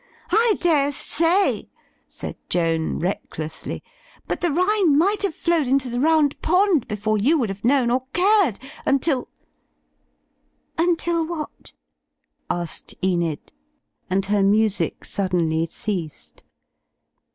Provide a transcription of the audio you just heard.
"I dare say," said Joan, recklessly, "but the Rhine might have flowed into the Round Pond, before you would have known or cared, until —^" "Until what?" asked Enid; and her music suddenly ceased.